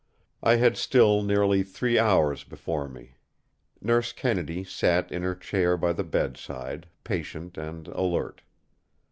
I had still nearly three hours before me. Nurse Kennedy sat in her chair by the bedside, patient and alert.